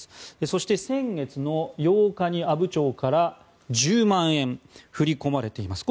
そして先月の８日に阿武町から１０万円振り込まれています。